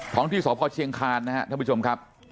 ของที่สพเชียงคานนะครับท่านผู้ชมครับ